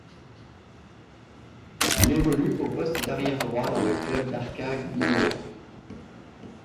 Il évolue au poste d'arrière droit avec le clubb d'Arka Gdynia.